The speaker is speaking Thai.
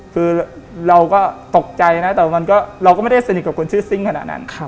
คือเราก็ตกใจนะแต่เราก็ไม่ได้สนิทกับคนชื่อซิ่งขนาดนั้น